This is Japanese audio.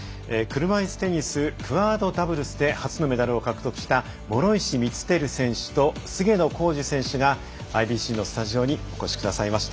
車いすテニスクアードダブルスで初のメダルを獲得した諸石光照選手と菅野浩二選手がＩＢＣのスタジオにお越しくださいました。